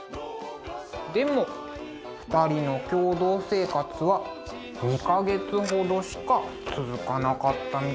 でも２人の共同生活は２か月ほどしか続かなかったみたいです。